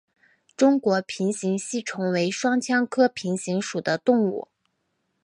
中国平形吸虫为双腔科平形属的动物。